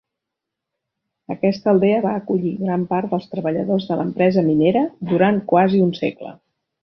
Aquesta aldea va acollir gran part dels treballadors de l'empresa minera durant quasi un segle.